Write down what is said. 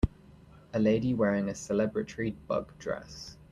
A lady wearing a celebratory bug dress